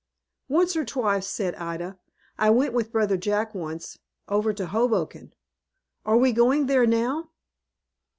"Once or twice," said Ida. "I went with brother Jack once, over to Hoboken. Are we going there, now?"